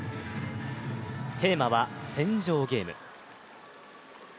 テーマは戦場ゲーム。